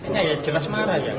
ini jelas marah ya